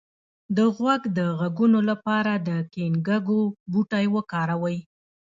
د غوږ د غږونو لپاره د ګینکګو بوټی وکاروئ